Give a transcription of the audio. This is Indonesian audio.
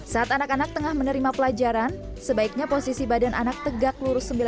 saat anak anak tengah menerima pelajaran sebaiknya posisi badan anak tegak lurus sembilan